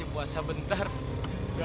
nggak ada uang nggak ada uang